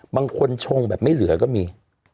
บางคนชงแบบไม่เหลือก็มี